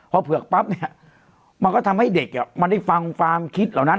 พอเผือกปั๊บเนี่ยมันก็ทำให้เด็กมันได้ฟังความคิดเหล่านั้น